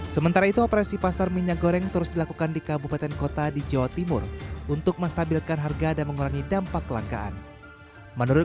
sementara itu operasi pasar minyak goreng terus dilakukan di kabupaten kondisi